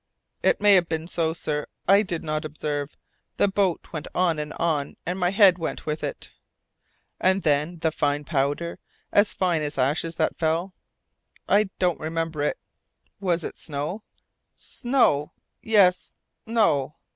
"It may have been so, sir; I did not observe. The boat went on and on, and my head went with it." "And then, the fine powder, as fine as ashes, that fell " "I don't remember it." "Was it not snow?" "Snow? Yes! No!